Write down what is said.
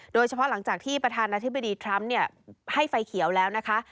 หลังจากที่ประธานาธิบดีทรัมป์ให้ไฟเขียวแล้วนะคะ